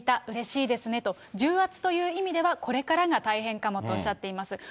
うれしいですねと、重圧という意味では、これからが大変かもとおっしゃいています。